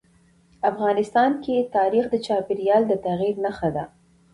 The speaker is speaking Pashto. افغانستان کې تاریخ د چاپېریال د تغیر نښه ده.